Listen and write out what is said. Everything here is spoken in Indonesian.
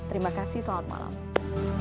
terima kasih selamat malam